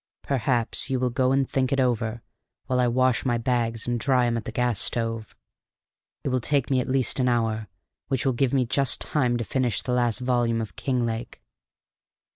Perhaps you will go and think it over while I wash my bags and dry 'em at the gas stove. It will take me at least an hour, which will just give me time to finish the last volume of Kinglake."